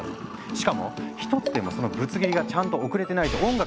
しかも１つでもそのぶつ切りがちゃんと送れてないと音楽が止まっちゃう。